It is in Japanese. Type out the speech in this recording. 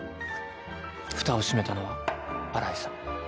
蓋を閉めたのは新井さん。